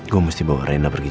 gue mesti bawa reyna ke rumah